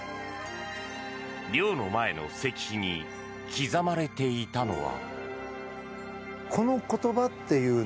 寮の前の石碑に刻まれていたのは？